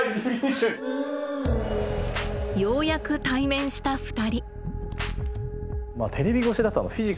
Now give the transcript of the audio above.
ようやく対面した２人。